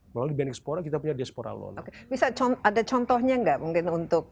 melalui ekspor kita punya diaspora loan bisa ada contohnya enggak mungkin untuk